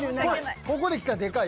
ここできたらでかい。